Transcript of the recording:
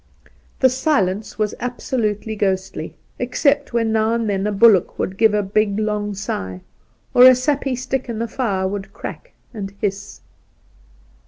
The silence was absolutely ghostly, except when now and then a bullock would give a big long sigh, or a sappy stick in the fire would crack and hiss.